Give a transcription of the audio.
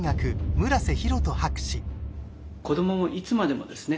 子どももいつまでもですね